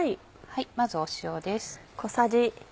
まず塩です。